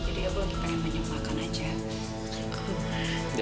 jadi aku lagi pengen banyak makan aja